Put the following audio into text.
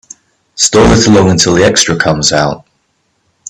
Stall it along until the extra comes out.